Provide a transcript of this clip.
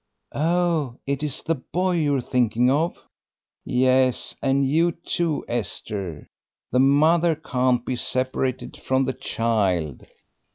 "Oh, it is the boy you're thinking of?" "Yes, and you too, Esther. The mother can't be separated from the child."